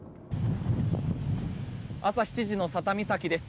朝７時の佐多岬です。